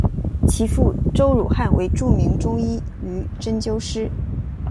其父周汝汉为著名中医与针灸师。